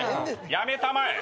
やめたまえ。